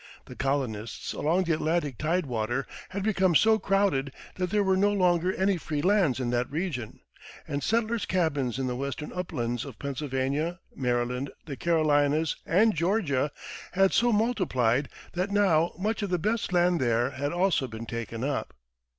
The colonists along the Atlantic tidewater had become so crowded that there were no longer any free lands in that region; and settlers' cabins in the western uplands of Pennsylvania, Maryland, the Carolinas, and Georgia had so multiplied that now much of the best land there had also been taken up.